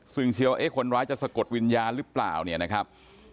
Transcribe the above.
ซึ่งเชื่อว่าเอ๊ะคนร้ายจะสะกดวิญญาณหรือเปล่าเนี่ยนะครับ